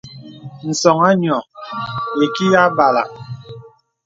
Ǹsɔ̄ŋ à nyɔ̄ɔ̄ ìkì yà bàlə.